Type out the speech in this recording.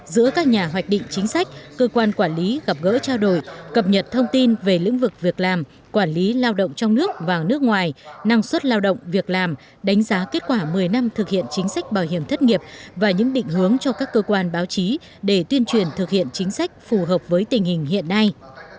giữa các nhà hoạch định chính sách cơ quan quản lý gặp gỡ trao đổi cập nhật thông tin về lĩnh vực việc làm quản lý lao động trong nước và nước ngoài năng suất lao động việc làm đánh giá kết quả một mươi năm thực hiện chính sách bảo hiểm thất nghiệp và những định hướng cho các cơ quan báo chí để tuyên truyền thực hiện chính sách phù hợp với tình hình hiện nay